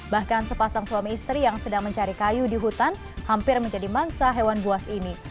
bahkan sepasang suami istri yang sedang mencari kayu di hutan hampir menjadi mangsa hewan buas ini